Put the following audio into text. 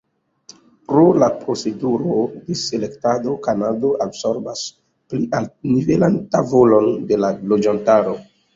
Pro la proceduroj de selektado, Kanado absorbas pli altnivelan tavolon de la loĝantaro.